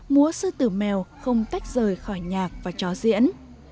múa sư tử mèo không tách rời khỏi nhạc và cho diễn